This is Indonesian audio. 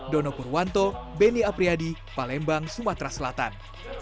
dono purwanto benny apriadi palembang sumatera selatan